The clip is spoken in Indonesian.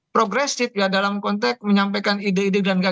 progresif ya dalam konteks menyampaikan ide ide